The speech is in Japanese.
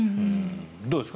どうですか？